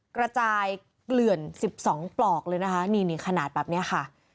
กระจายเกลื่อน๑๒ปลอกเลยนะคะนี่นี่ขนาดแบบนี้ค่ะ